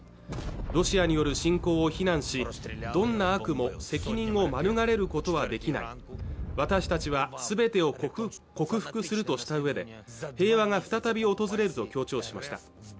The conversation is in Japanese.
ロシアによる侵攻を非難しどんな悪も責任を免れることはできない私たちはすべてを克服するとしたうえで平和が再び訪れると強調しました